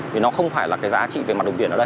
vì nó không phải là cái giá trị về mặt đồng tiền ở đây